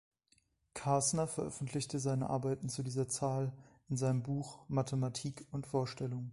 Kasner veröffentlichte seine Arbeiten zu dieser Zahl in seinem Buch „Mathematik und Vorstellung“.